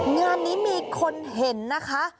งานนี้มีคนเห็นนะคะ